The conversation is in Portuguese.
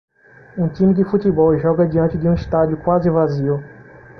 Um time de futebol joga diante de um estádio quase vazio.